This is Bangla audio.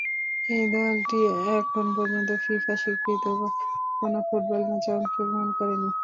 এই দলটি এখন পর্যন্ত ফিফা স্বীকৃত কোনো ফুটবল ম্যাচে অংশগ্রহণ করেনি।